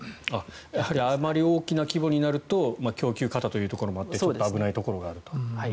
あまり大きな規模になると供給過多ということもあって危ないところがあると。